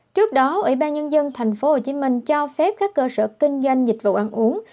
trước đó ủy ban nhân dân thành phố hồ chí minh cho phép các cơ sở kinh doanh dịch vụ ăn uống